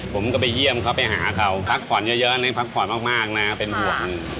ผมก็ไปเยี่ยมเขาไปหาเขาพักผ่อนเยอะนะพักผ่อนมากนะเป็นห่วง